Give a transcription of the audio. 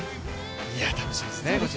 楽しみですね。